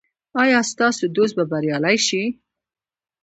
ایا ستاسو دوست به بریالی شي؟